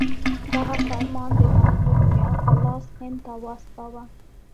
دغه فرمان د محمود میا په لاس هند ته واستاوه.